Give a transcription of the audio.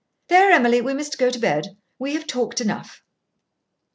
There, Emily; we must go to bed. We have talked enough."